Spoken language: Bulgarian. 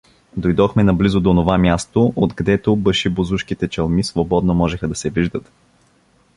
Дойдохме наблизо до онова място, отгдето башибозушките чалми свободно можеха да се виждат.